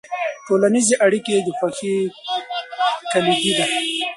ټولنیزې اړیکې د خوښۍ کلیدي دي.